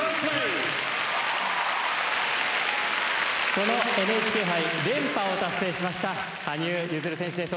このＮＨＫ杯連覇を達成しました羽生結弦選手です。